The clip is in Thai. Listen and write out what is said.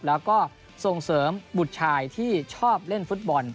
แล้วก็ส่งเสริมบุตรชายที่ชอบเล่นฟุตบอล